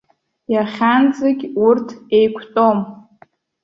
Иахьанӡагь урҭ еиқәтәом.